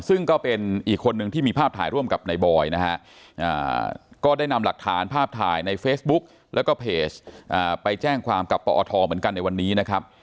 ซึ่งก็เป็นอีกคนนึงที่มีภาพถ่ายร่วมกับในบอยนะฮะก็ได้นำหลักฐานภาพถ่ายในเฟซบุ๊กแล้วก็เพจไปแจ้งความกับปอทเหมือนกันในวันนี้นะครับ